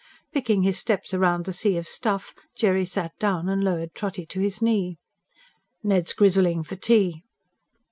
Picking his steps round the sea of stuff, Jerry sat down and lowered Trotty to his knee. "Ned's grizzling for tea."